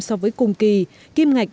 so với cùng kỳ kim ngạch